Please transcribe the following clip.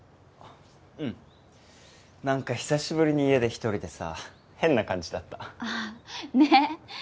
うん何か久しぶりに家で１人でさ変な感じだったあねっ